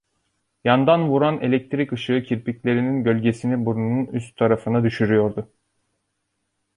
Yandan vuran elektrik ışığı kirpiklerinin gölgesini burnunun üst tarafına düşürüyordu.